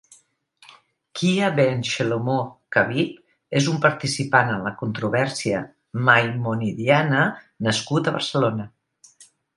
Khïa ben Xelomó Khabib és un participant en la controvèrsia Maimonidiana nascut a Barcelona.